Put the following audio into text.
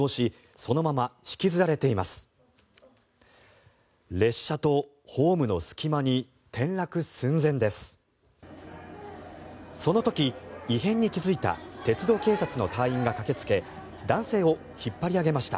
その時、異変に気付いた鉄道警察の隊員が駆けつけ男性を引っ張り上げました。